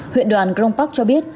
huyện đoàn grong park cho biết